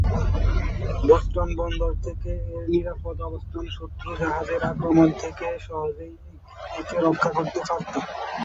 Boston বন্দর থেকে এর নিরাপদ অবস্থান শত্রু-জাহাজের আক্রমণ থেকে সহজেই একে রক্ষা করতে পারত।